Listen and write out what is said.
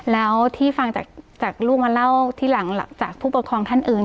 แล้วที่ฟังจากลูกมาเล่าที่หลังจากผู้ปกครองท่านอื่น